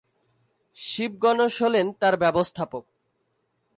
শিব গণেশ হলেন তাঁর ব্যবস্থাপক।